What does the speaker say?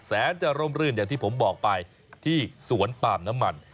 แสนจะร่มรื่นอย่างที่ผมบอกไปที่สวนปามน้ำมัน